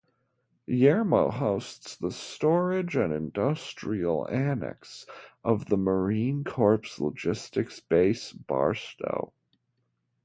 Yermo hosts the storage and industrial annex of the Marine Corps Logistics Base Barstow.